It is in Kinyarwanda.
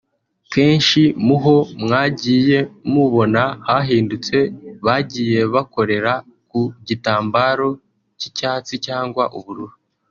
Henshi muho mwagiye mubona hahindutse bagiye bakorera ku gitambaro cy'icyatsi cyangwa ubururu